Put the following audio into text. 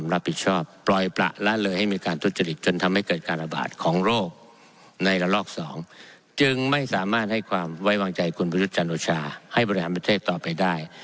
ให้ประหารประเทศต่อไปได้